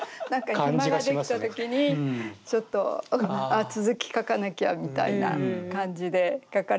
暇ができた時にちょっと「あ続き書かなきゃ」みたいな感じで書かれたのかなって。